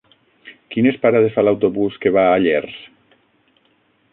Quines parades fa l'autobús que va a Llers?